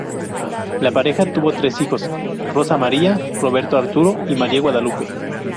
La pareja tuvo tres hijos: Rosa María, Roberto Arturo y María Guadalupe.